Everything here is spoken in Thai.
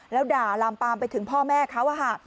แล้วด่าลามปามไปถึงพ่อแม่เขา